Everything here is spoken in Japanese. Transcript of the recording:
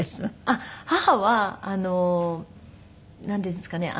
あっ母はなんていうんですかね。